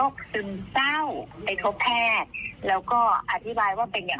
คุณหมอขอบคุณครับ